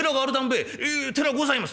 「ええ寺ございます」。